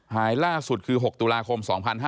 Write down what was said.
หายล่าสุดคือ๖ตุลาคม๒๕๕๙